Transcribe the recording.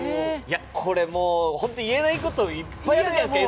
これ、本当に言えないこといっぱいあるじゃないですか。